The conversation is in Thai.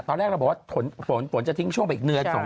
ตอนแรกเราบอกว่าฝนฝนจะทิ้งช่วงไปอีกเดือน